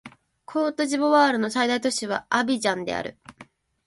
コートジボワールの最大都市はアビジャンである